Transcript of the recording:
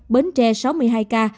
bến tre sáu mươi hai ca